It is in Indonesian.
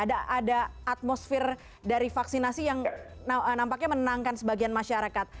ada atmosfer dari vaksinasi yang nampaknya menenangkan sebagian masyarakat